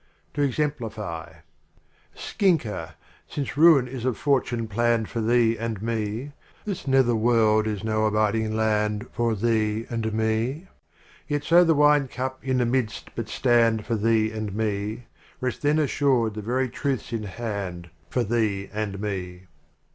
To exemplify: Skinker, since ruin is of fortune planned for thee and mej This nether world is no abiding land for thee and me; Yet, so the wine cup in the midst but stand for thee and me Rest th.cn assured the very truth' a in hand for thee and me.